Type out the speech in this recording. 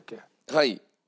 はい。